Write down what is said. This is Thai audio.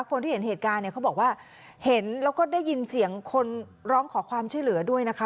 คนที่เห็นเหตุการณ์เนี่ยเขาบอกว่าเห็นแล้วก็ได้ยินเสียงคนร้องขอความช่วยเหลือด้วยนะคะ